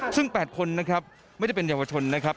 ซึ่ง๘คนไม่ได้เป็นเยาวชนนะครับ